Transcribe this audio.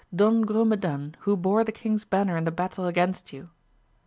— Don Grumedan who bore the king's banner in the battle against you.